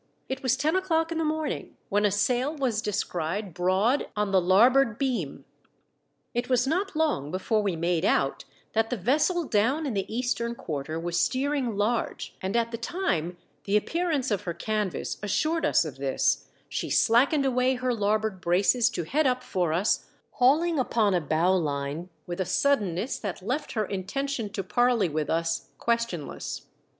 It was ten o'clock in the morning when a sail was descried broad on the larboard beam. It was not long before we made out that the vessel down in the eastern quarter was steering large, and at the time the appearance 20 THE DEATH SHIP. of her canvas assured us of this, she slackened away her larboard braces to head up for us, hauling upon a bowline with a suddenness that left her intention to parley with us questionless.